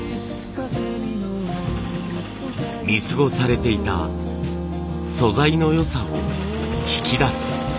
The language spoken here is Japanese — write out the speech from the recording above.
見過ごされていた素材の良さを引き出す。